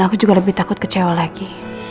aku juga lebih takut kecewa lagi